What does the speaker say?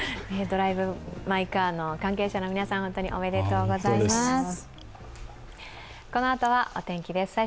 「ドライブ・マイ・カー」の関係者の皆さん、本当におめでとうございます。